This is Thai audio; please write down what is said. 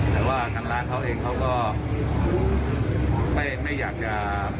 แต่ว่าทางร้านเขาเองเขาก็ไม่อยากจะ